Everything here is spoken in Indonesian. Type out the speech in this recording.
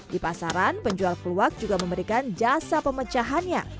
di pasaran penjual kluwak juga memberikan jasa pemecahannya